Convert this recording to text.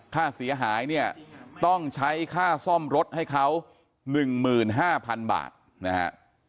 ค่าเสียหายเนี่ยต้องใช้ค่าซ่อมรถให้เขา๑๕๐๐๐บาทนะฮะ